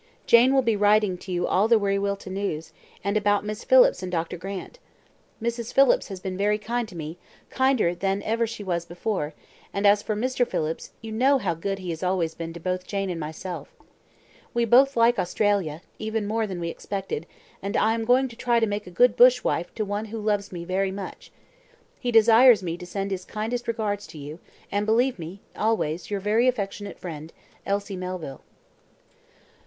Jane will be writing you all the Wiriwilta news, and about Miss Phillips and Dr. Grant. Mrs. Phillips has been very kind to me, kinder than ever she was before; and as for Mr. Phillips, you know how good he has always been to both Jane and myself. We both like Australia, even more than we expected, and I am going to try to make a good bush wife to one who loves me very much. He desires me to send his kindest regards to you; and believe me "Always, your very affectionate friend, "Elsie Melville."